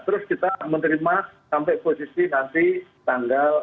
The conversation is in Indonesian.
terus kita menerima sampai posisi nanti tanggal